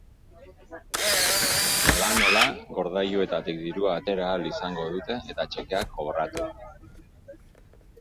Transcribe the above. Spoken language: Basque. Hala nola, gordailuetatik dirua atera ahal izango dute eta txekeak kobratu.